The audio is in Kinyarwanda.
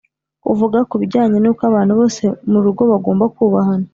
Uvuga ku bijyanye nuko abantu bose mu rugo bagomba kubahana